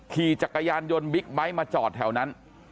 ขี่จักรยานยนต์บิ๊กไบท์มาจอดแถวนั้น